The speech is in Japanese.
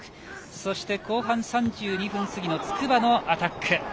そして後半３２分過ぎの筑波のアタック。